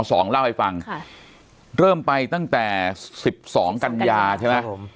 สวัสดีครับทุกผู้ชม